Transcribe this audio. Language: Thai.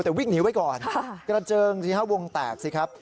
แต่วิ่งหนีไว้ก่อนกระเจิงสิฮะวงแตกสิครับ